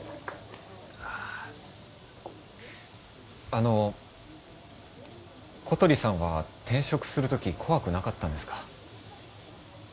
あの小鳥さんは転職する時怖くなかったんですか？